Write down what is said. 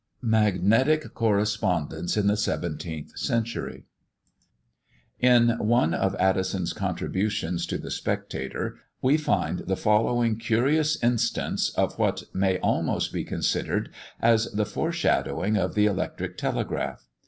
MAGNETIC CORRESPONDENCE IN THE SEVENTEENTH CENTURY. In one of Addison's contributions to the Spectator (No. 241), we find the following curious instance of what may almost be considered as the foreshadowing of the electric telegraph.